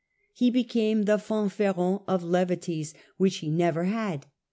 He became the fanfaron of levities which he never had.